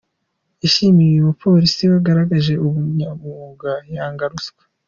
Yashimiye uyu mupolisi wagaragaje ubunyamwuga yanga ruswa.